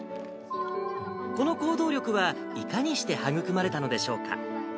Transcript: この行動力はいかにして育まれたのでしょうか。